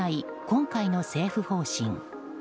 今回の政府方針。